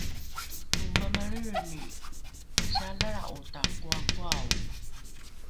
lo mamalrelreni sialalra’o takoakoao